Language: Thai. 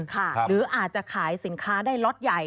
หรืออาจจะขายสินค้าได้ล็อตใหญ่